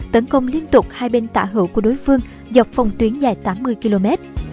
tấn công liên tục hai bên tạ hữu của đối phương dọc phòng tuyến dài tám mươi km